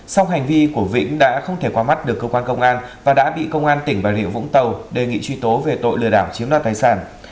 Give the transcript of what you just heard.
song hành vi của vĩnh đã không thể qua mắt được cơ quan công an và đã bị công an tỉnh bà rịa vũng tàu đề nghị truy tố về tội lừa đảo chiếm đoạt tài sản